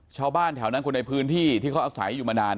ชาวบ้านแถวนั้นคนในพื้นที่ที่เขาอาศัยอยู่มานาน